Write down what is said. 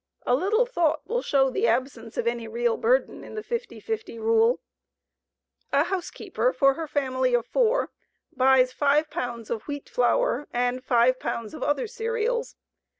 A little thought will show the absence of any real burden in the 50 50 rule. A housekeeper for her family of four buys five pounds of wheat flour and five pounds of other cereals.